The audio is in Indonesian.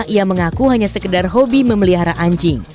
ia mengaku hanya sekedar hobi memelihara anjing